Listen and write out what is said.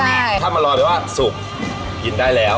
ถ้ามันลอยแบบว่าสุกกินได้แล้ว